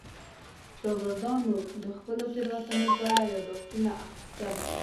شاګردانو د خپلو تېروتنو په اړه یادښتونه اخیستل.